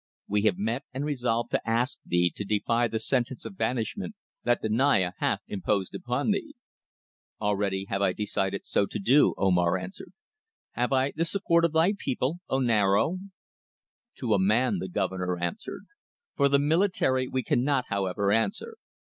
"We have met and resolved to ask thee to defy the sentence of banishment that the Naya hath imposed upon thee." "Already have I decided so to do," Omar answered. "Have I the support of thy people, O Niaro?" "To a man," the Governor answered. "For the military we cannot, however, answer.